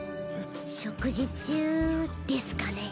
食事中ですかね？